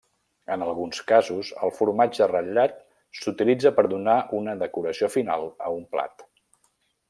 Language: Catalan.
En alguns casos el formatge ratllat s'utilitza per donar una decoració final a un plat.